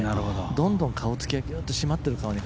どんどん顔つきが締まっている顔に